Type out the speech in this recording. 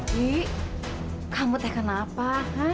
dewi kamu tekan apa